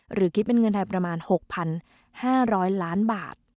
หรือคิดเป็นเงินไทยประมาณ๖๕๐๐ล้านบาท